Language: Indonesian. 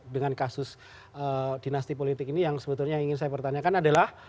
dengan kasus dinasti politik ini yang sebetulnya ingin saya pertanyakan adalah